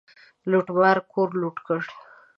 لوټمار کور لوټ کړ.